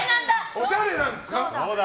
おしゃれなんですか。